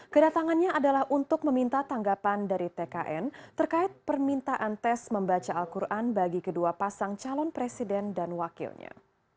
kedatangannya adalah untuk meminta tanggapan dari tkn terkait permintaan tes membaca al quran bagi kedua pasang calon presiden dan wakilnya